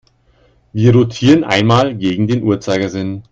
Wir rotieren einmal gegen den Uhrzeigersinn.